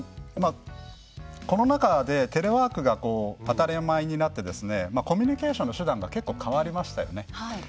コロナ禍でテレワークが当たり前になってコミュニケーションの手段が結構、変わりましたよね。